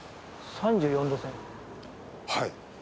はい。